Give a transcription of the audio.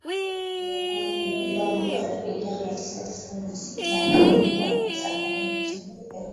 waliopanga kumpindua Mwaka elfu moja mia tisa sitini na sita alipokwenda safari ya kutembelea